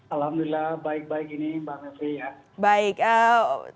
alhamdulillah baik baik ini mbak mepri ya